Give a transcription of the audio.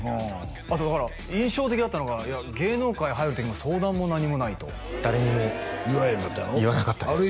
あとだから印象的だったのが芸能界入る時も相談も何もないと誰にも言わなかったです